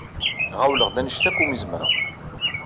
Ɣawleɣ-d anect akk umi zemreɣ.